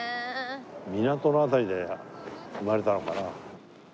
港の辺りで生まれたのかな。